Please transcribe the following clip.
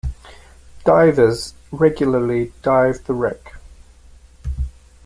Divers regularly dive the wreck.